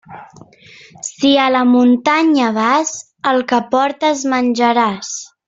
Si a la muntanya vas, el que portes menjaràs.